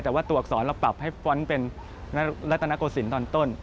แต่ว่าตัวอักษรเราปรับให้ฟ้อนต์เป็นรัตนโกศิลป์ตอนต้น